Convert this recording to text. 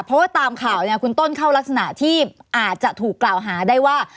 เพราะว่าตามข่าวเนี่ยคุณต้นเข้ารักษณะที่อาจจะถูกกล่าวหาได้ว่า